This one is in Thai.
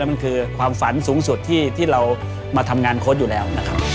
มันคือความฝันสูงสุดที่เรามาทำงานโค้ชอยู่แล้วนะครับ